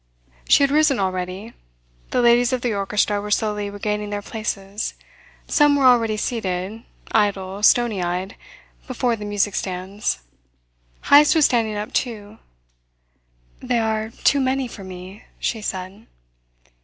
She had risen already. The ladies of the orchestra were slowly regaining their places. Some were already seated, idle stony eyed, before the music stands. Heyst was standing up, too. "They are too many for me," she said.